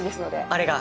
あれが？